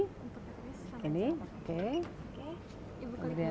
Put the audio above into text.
untuk ktp sama sama